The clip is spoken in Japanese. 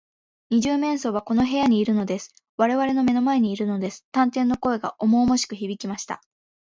「二十面相はこの部屋にいるのです。われわれの目の前にいるのです」探偵の声がおもおもしくひびきました。